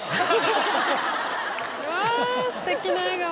わぁすてきな笑顔。